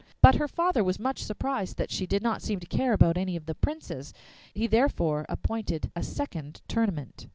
But her father was much surprised that she did not seem to care about any of the Princes; he therefore appointed a second tournament.